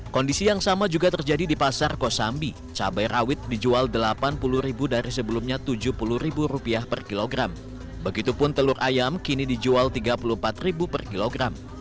kondisi yang sama juga terjadi di pasar kosambi cabai rawit dijual rp delapan puluh dari sebelumnya rp tujuh puluh per kilogram begitu pun telur ayam kini dijual rp tiga puluh empat per kilogram